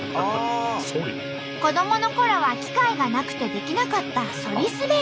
子どものころは機会がなくてできなかったソリ滑り。